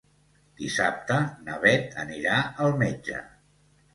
Dissabte na Bet anirà al metge.